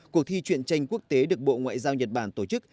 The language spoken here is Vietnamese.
cuộc thi chuyện tranh quốc tế được bộ ngoại giao nhật bản tổ chức